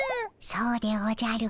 そうでおじゃる。